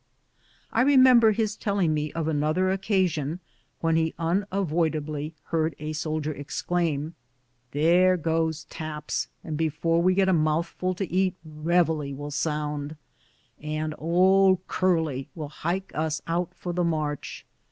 I remember his telling me of another occasion, when he unavoidably heard a soldier exclaim, " There goes taps, and before we get a mouthful to eat, reveille will sound, and ' Old Curley ' will hike us out for tlie march."